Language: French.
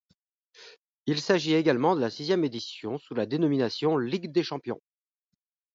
Il s'agit également de la sixième édition sous la dénomination Ligue des champions.